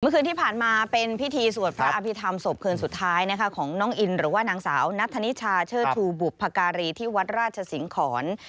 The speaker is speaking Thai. คืนที่ผ่านมาเป็นพิธีสวดพระอภิษฐรรมศพคืนสุดท้ายนะคะของน้องอินหรือว่านางสาวนัทธนิชาเชิดชูบุพการีที่วัดราชสิงหอน